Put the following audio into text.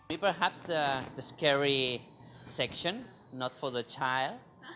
ini mungkin bagian yang menakutkan